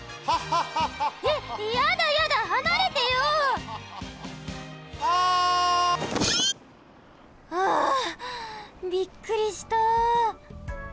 ハ！あびっくりした！